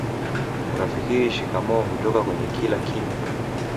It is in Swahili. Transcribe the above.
unafikiri shikamoo hutoka kwenye kila kinywa